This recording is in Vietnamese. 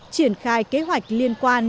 triển khai kế hoạch liên quan